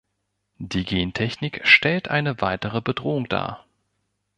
Die Gentechnik stellt eine weitere Bedrohung dar.